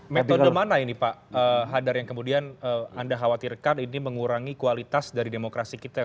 metode mana ini pak hadar yang kemudian anda khawatirkan ini mengurangi kualitas dari demokrasi kita